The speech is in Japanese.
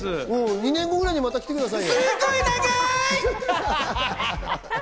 ２年後くらいにまた来てください。